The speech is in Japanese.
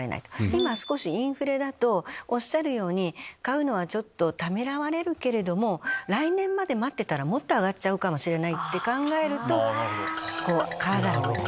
今少しインフレだとおっしゃるように買うのはためらわれるけど来年まで待ったらもっと上がるかもしれないと考えると買わざるを得ない。